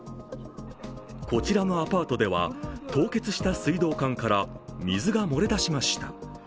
こちらのアパートでは凍結した水道管から水が漏れ出しました。